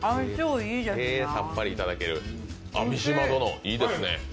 さっぱりいただける、三島殿、いいですね。